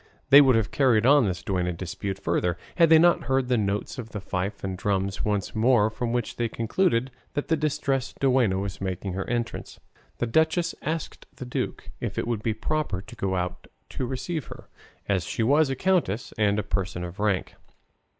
They would have carried on this duenna dispute further had they not heard the notes of the fife and drums once more, from which they concluded that the Distressed Duenna was making her entrance. The duchess asked the duke if it would be proper to go out to receive her, as she was a countess and a person of rank.